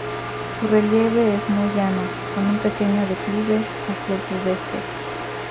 Su relieve es muy llano, con un pequeño declive hacia el sudeste.